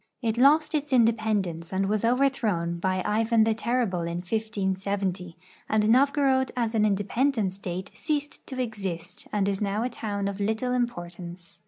It lost its independence and was overthrown hy Ivan the Terrible in 1570, and Novgorod as an independent State ceased to exist and is now a town of little importance.